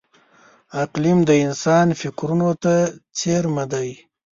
قلم د انسان فکرونو ته څېرمه دی